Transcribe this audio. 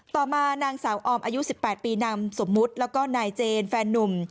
ต่อมานางสาวออมอายุ๑๘ปีนำสมมุติแล้วก็นายเจนแฟนนุ่ม